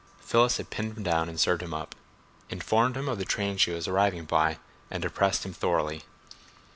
Phyllis had pinned him down and served him up, informed him the train she was arriving by, and depressed him thoroughly.